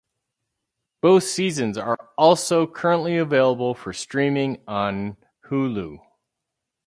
Both seasons are also currently available for streaming on Hulu.